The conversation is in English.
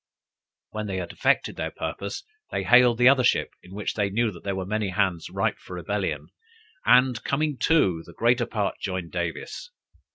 When they had effected their purpose, they hailed the other ship, in which they knew that there were many hands ripe for rebellion, and coming to, the greater part joined Davis.